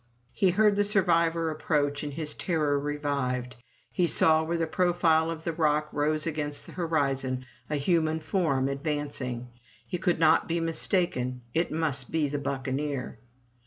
He heard the survivor approach, and his terror revived. He saw, where the profile of the rocks rose against the horizon, a human form advancing. He could not be mistaken ! it must be the buccaneer.